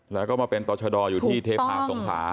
แล้วก็มาเป็นต่อชะดออยู่ที่เทพาสงขา